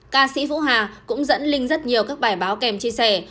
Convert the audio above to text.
ca sĩ vũ hà cũng dẫn linh rất nhiều các bài báo kèm chia sẻ